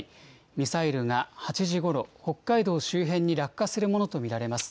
ミサイルが８時ごろ、北海道周辺に落下するものと見られます。